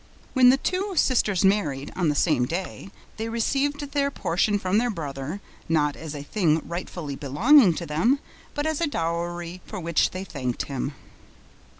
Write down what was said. When the two sisters married, on the same day, they received their portion from their brother, not as a thing rightfully belonging to them, but as a dowry for which they thanked him.